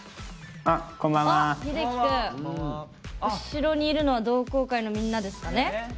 ヒデキ君後ろにいるのは同好会のみんなですかね。